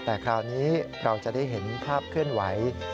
แต่คราวนี้เราจะได้เห็นภาพเคลื่อนไหว